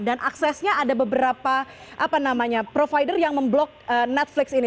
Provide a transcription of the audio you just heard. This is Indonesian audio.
dan aksesnya ada beberapa provider yang memblok netflix ini